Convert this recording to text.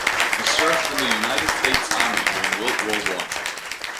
He served in the United States Army during World War One.